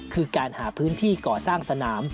คือการหาพื้นที่ก่อสร้างสนาม